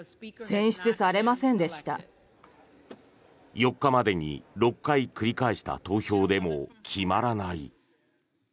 ４日までに６回繰り返した投票でも決まらない。